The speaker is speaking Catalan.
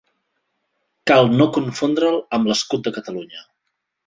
Cal no confondre'l amb l'escut de Catalunya.